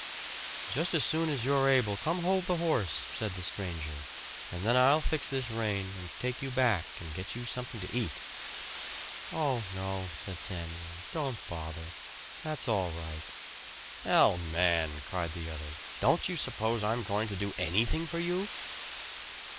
"Just as soon as you're able, come hold the horse," said the stranger, "and then I'll fix this rein, and take you back and get you something to eat." "Oh, no!" said Samuel. "Don't bother. That's all right." "Hell, man!" cried the other. "Don't you suppose I'm going to do anything for you?"